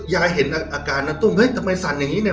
ยายเห็นอาการณตุ้มเฮ้ยทำไมสั่นอย่างนี้เนี่ย